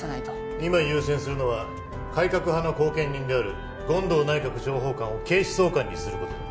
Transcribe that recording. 今優先するのは改革派の後見人である権藤内閣情報官を警視総監にする事だ。